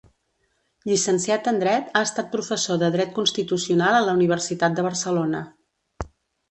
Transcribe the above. Llicenciat en dret, ha estat professor de dret constitucional a la Universitat de Barcelona.